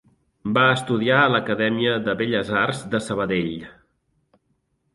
Va estudiar a l'Acadèmia de Belles Arts de Sabadell.